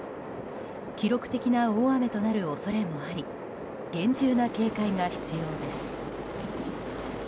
記録的な大雨となる恐れもあり厳重な警戒が必要です。